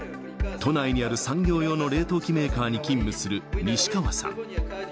都内にある産業用の冷凍機メーカーに勤務する西川さん。